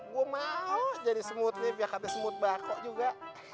gue mau jadi semut nih biar katanya semut bako juga